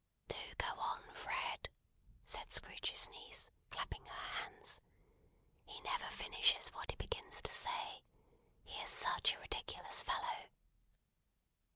"Do go on, Fred," said Scrooge's niece, clapping her hands. "He never finishes what he begins to say! He is such a ridiculous fellow!"